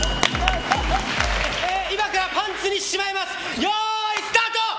今からパンツにしまいます。スタート！